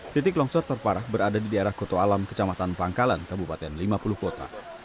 titik longsor terparah berada di daerah kota alam kecamatan pangkalan kabupaten lima puluh kota